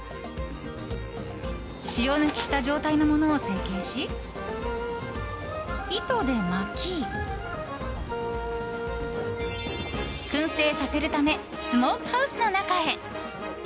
塩抜きした状態のものを成形し糸で巻き薫製させるためスモークハウスの中へ。